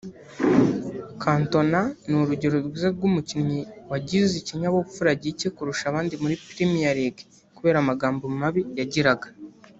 Cantona ni urugero rwiza rw’umukinnyi wagize ikinyabupfura gike kurusha abandi muri Premier League kubera amagambo mabi yagiraga